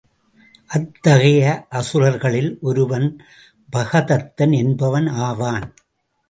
அத்தகையை அசுரர்களில் ஒருவன் பகதத்தன் என்பவன் ஆவான்.